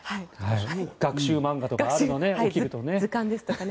学習漫画とかあるのね起きるとね。